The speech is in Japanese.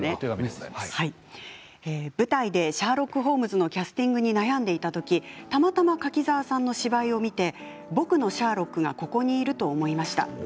舞台で「シャーロック・ホームズ」のキャスティングに悩んでいた時たまたま柿澤さんの芝居を見て僕のシャーロックがここにいると思いました。